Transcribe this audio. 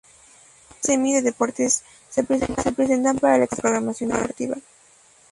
Los premios Emmy de Deportes se presentan para la excelencia en la programación deportiva.